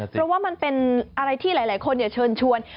เพราะว่ามันเป็นอะไรที่หลายคนเชิญชวน